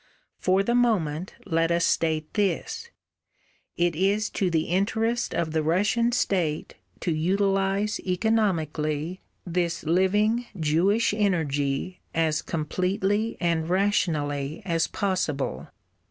For the moment let us state this: it is to the interest of the Russian State to utilise economically this living Jewish energy as completely and rationally as possible.